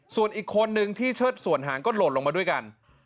ส่วนอีกคนนึงที่เชิดส่วนหางก็หล่นลงมาด้วยกัน